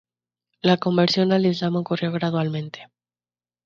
La conversión al Islam ocurrió gradualmente.